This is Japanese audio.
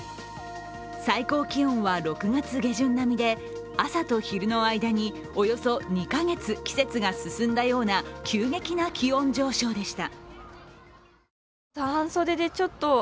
最高気温は６月下旬並みで朝と昼の間におよそ２か月、季節が進んだような急激な気温上昇でした。